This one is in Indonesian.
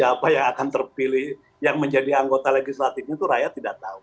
siapa yang akan terpilih yang menjadi anggota legislatifnya itu rakyat tidak tahu